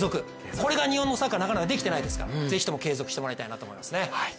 これが日本のサッカーなかなかできてないですからぜひとも継続してもらいたいなと思いますね。